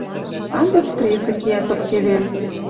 Анзыц презӹ кеӓ тыпке вел.